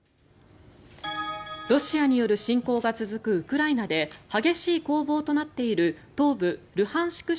ロシアによる侵攻が続くウクライナで激しい攻防となっている東部ルハンシク